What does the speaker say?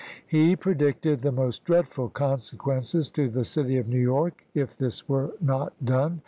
He predicted the most dreadful consequences to the city of New York if this were not done.